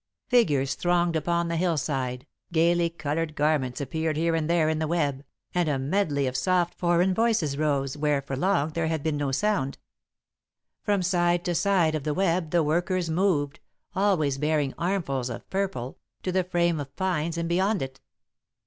Figures thronged upon the hillside, gaily coloured garments appeared here and there in the web, and a medley of soft foreign voices rose where for long there had been no sound. From side to side of the web the workers moved, always bearing armfuls of purple, to the frame of pines and beyond it.